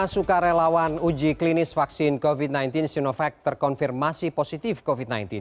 lima belas sukarelawan uji klinis vaksin covid sembilan belas sinovac terkonfirmasi positif covid sembilan belas